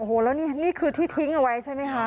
โอ้โหแล้วนี่คือที่ทิ้งเอาไว้ใช่ไหมคะ